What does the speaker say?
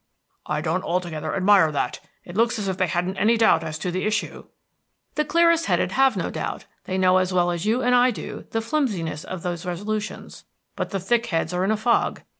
"I don't altogether admire that. It looks as if they hadn't any doubt as to the issue." "The clearest headed have no doubt; they know as well as you and I do the flimsiness of those resolutions. But the thick heads are in a fog.